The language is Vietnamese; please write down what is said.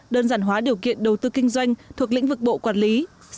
đơn giản hóa điều kiện đầu tư kinh doanh thuộc lĩnh vực bộ quản lý